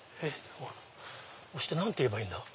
押して何て言えばいいんだ？